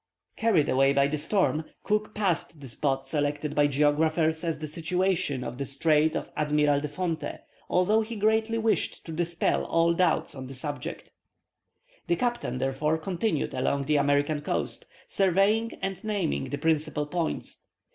Carried away by the storm, Cook passed the spot selected by geographers as the situation of the Strait of Admiral de Fonte, though he greatly wished to dispel all doubt on the subject. The captain therefore continued along the American coast, surveying and naming the principal points.